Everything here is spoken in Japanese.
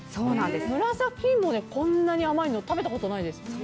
紫芋でこんなに甘いの食べたことないです。